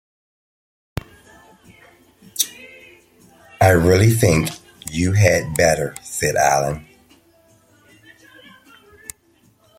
‘I really think you had better,’ said Allen.